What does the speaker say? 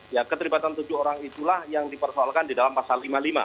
ya keterlibatan tujuh orang itulah yang dipersoalkan di dalam pasal lima puluh lima